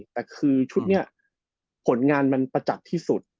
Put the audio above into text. แต่คือชุดนี้ผลงานมันประจักษ์ที่สุด